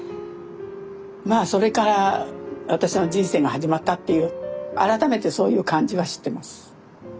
まあそれから私の人生が始まったっていう改めてそういう感じはしてます。